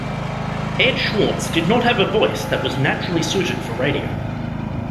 Ed Schwartz did not have a voice that was naturally suited for radio.